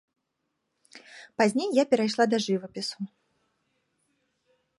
Пазней я перайшла да жывапісу.